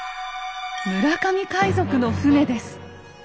村上海賊の船です。